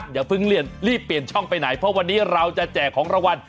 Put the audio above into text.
อย่าเพิ่งเปลี่ยนรีบเปลี่ยนช่องไปไหนเพราะวันนี้เราจะแจกของรางวัล